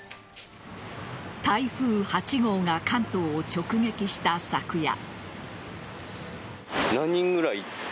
台風８号が関東を直撃した昨夜。